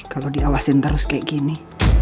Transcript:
kalau diawasin terus kayak gini